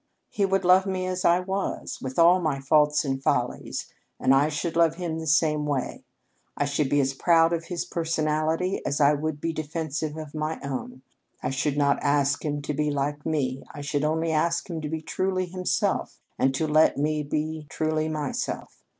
He would love me as I was, with all my faults and follies, and I should love him the same way. I should be as proud of his personality as I would be defensive of my own. I should not ask him to be like me; I should only ask him to be truly himself and to let me be truly myself.